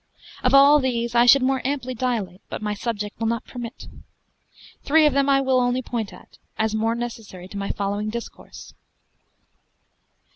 Of all these I should more amply dilate, but my subject will not permit. Three of them I will only point at, as more necessary to my following discourse.